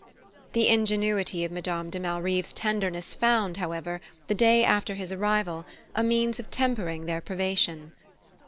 The ingenuity of Madame de Malrive's tenderness found, however, the day after his arrival, a means of tempering their privation.